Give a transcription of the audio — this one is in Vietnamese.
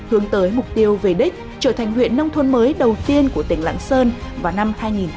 hướng tới mục tiêu về đích trở thành huyện nông thuận mới đầu tiên của tỉnh lãng sơn vào năm hai nghìn hai mươi năm